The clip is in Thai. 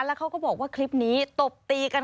แล้วเขาก็บอกว่าคลิปนี้ตบตีกัน